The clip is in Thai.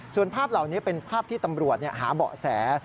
ส่วนภาพเหล่านี้เป็นภาพที่ตำรวจหาเบาะแส